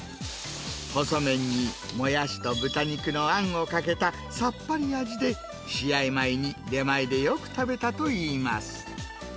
細麺にもやしと豚肉のあんをかけたさっぱり味で、試合前に出前でよく食べたといいます。